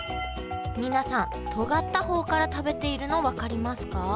皆さんとがった方から食べているの分かりますか？